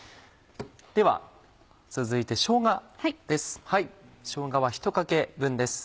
では続いてしょうがです。